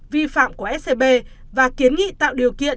vi phạm của scb và kiến nghị tạo điều kiện